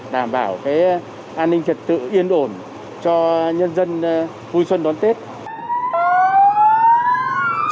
đảm bảo an ninh trật tự yên ổn cho nhân dân vui xuân đón tết